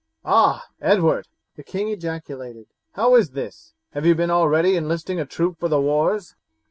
"Ah! Edward," the king ejaculated, "how is this? Have you been already enlisting a troop for the wars?"